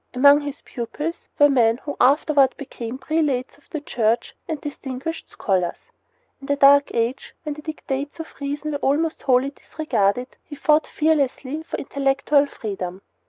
Among his pupils were men who afterward became prelates of the church and distinguished scholars. In the Dark Age, when the dictates of reason were almost wholly disregarded, he fought fearlessly for intellectual freedom.